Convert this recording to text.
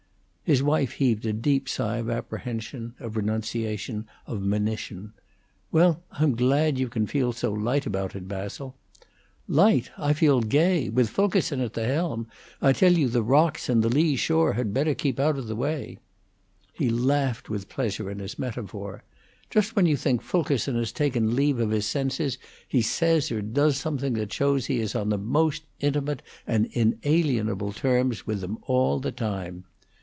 His wife heaved a deep sigh of apprehension, of renunciation, of monition. "Well, I'm glad you can feel so light about it, Basil." "Light? I feel gay! With Fulkerson at the helm, I tell you the rocks and the lee shore had better keep out of the way." He laughed with pleasure in his metaphor. "Just when you think Fulkerson has taken leave of his senses he says or does something that shows he is on the most intimate and inalienable terms with them all the time.